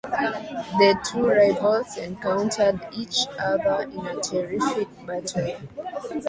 The two rivals encountered each other in a terrific battle.